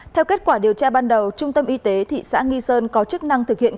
theo kết quả điều tra ban đầu trung tâm y tế thị xã nghi sơn có chức năng thực hiện